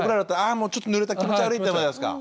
もうちょっとぬれたら気持ち悪いじゃないですか。